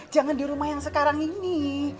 jangan di rumah yang sekarang ini